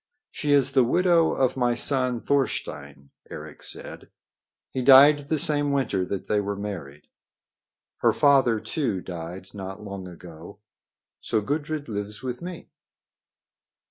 "She is the widow of my son Thorstein," Eric said. "He died the same winter that they were married. Her father, too, died not long ago. So Gudrid lives with me."